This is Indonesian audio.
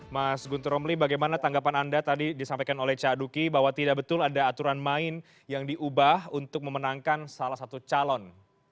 mas guntur romli bagaimana tanggapan anda tadi disampaikan oleh caduki bahwa tidak betul ada aturan main yang diubah untuk memenangkan salah satu calon